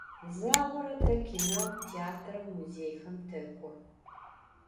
Zağore te kineum, têatrem, muzêyxem tek'o.